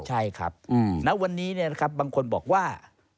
ใช่ครับณวันนี้บางคนบอกว่า